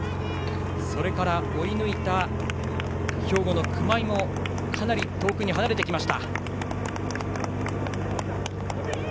それから追い抜いた兵庫の熊井もかなり遠くに離れてきました。